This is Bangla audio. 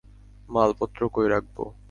মালপত্র কই রাখবো?